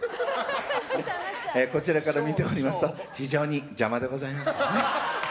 こちらから見ておりますと非常に邪魔でございますのでね。